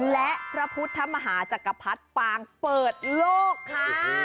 และพระพุทธมหาจักรพรรดิปางเปิดโลกค่ะ